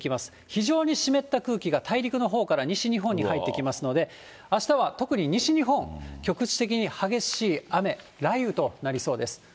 非常に湿った空気が大陸のほうから西日本に入ってきますので、あしたは特に西日本、局地的に激しい雨、雷雨となりそうです。